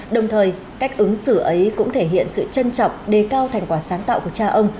đồng thời cách ứng xử ấy cũng thể hiện sự trân trọng đề cao thành quả sáng tạo của cha ông